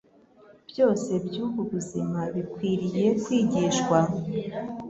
byose by’ubu buzima bikwiriye kwigishwa